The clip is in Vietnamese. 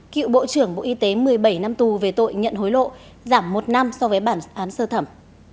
cựu bộ trưởng bộ y tế một mươi bảy năm tù về tội nhận hối lộ giảm một năm so với bản án sơ thẩm